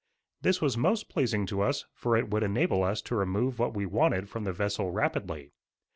This was most pleasing to us for it would enable us to remove what we wanted from the vessel rapidly.